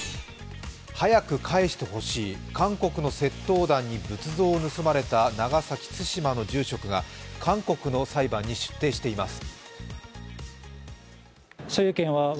早く返してほしい、韓国の窃盗団に仏像を盗まれた長崎・対馬の住職が韓国の裁判に出廷しています。